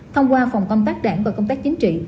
thông qua phòng công tác đảng và công tác chính trị